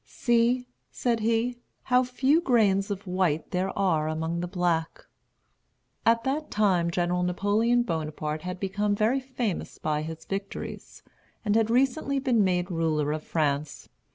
"See," said he, "how few grains of white there are among the black." At that time General Napoleon Bonaparte had become very famous by his victories, and had recently been made ruler of France.